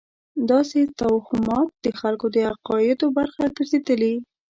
داسې توهمات د خلکو د عقایدو برخه ګرځېدلې.